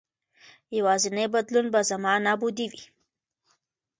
یوازېنی بدلون به زما نابودي وي.